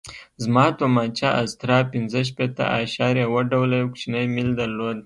زما تومانچه استرا پنځه شپېته اعشاریه اوه ډوله یو کوچنی میل درلود.